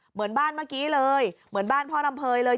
เหมือนบ้านเมื่อกี้เลยเหมือนบ้านพ่อลำเภยเลย